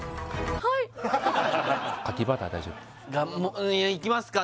うんいきますか